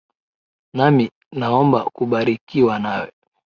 Nami naomba kubarikiwa nawe.